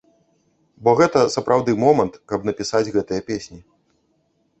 Бо гэта сапраўды момант, каб напісаць гэтыя песні.